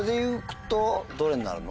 どれになるの？